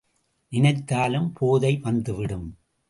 நினைத்தாலும் போதை வந்துவிடும்.